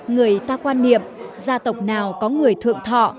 người ta quan niệm gia tộc nào có người thượng thọ